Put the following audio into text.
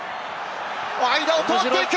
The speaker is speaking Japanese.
間を通っていく！